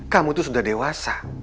kamu tuh sudah dewasa